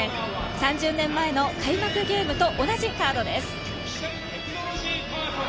３０年前の開幕ゲームと同じカードです。